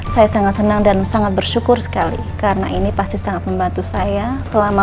saya sangat senang dan sangat bersyukur sekali karena ini pasti sangat membantu saya selama